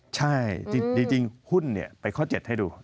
ใช่จริงหุ้นไปข้อ๗ให้ดู